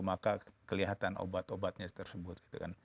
maka kelihatan obat obatnya tersebut